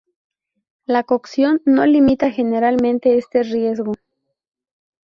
La cocción no limita generalmente este riesgo.